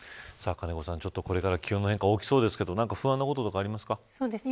金子さん、これから気温の変化が大きそうですけど不安なことありますか。